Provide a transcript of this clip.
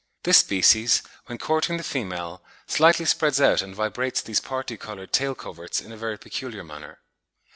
This species, when courting the female, slightly spreads out and vibrates these parti coloured tail coverts in a very peculiar manner.